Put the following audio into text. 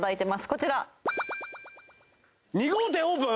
こちら２号店オープン！？